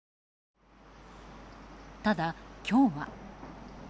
ただ、今日は。